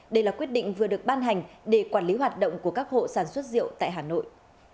đây là quyết định vừa được ban hành để quản lý hoạt động của các hộ sản xuất rượu tại hà nội